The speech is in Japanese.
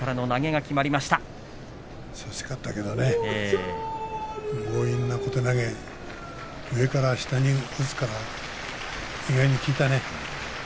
惜しかったけれどもね強引な小手投げ上から下に打つから意外に効いたね。